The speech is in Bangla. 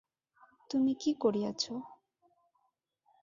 তুমি কী করিয়াছ?